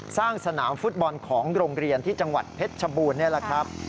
สร้างสนามฟุตบอลของโรงเรียนที่จังหวัดเพชรชบูรณนี่แหละครับ